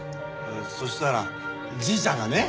そしたらじいちゃんがね。